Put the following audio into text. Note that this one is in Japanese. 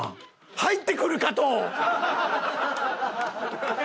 入ってくる加藤！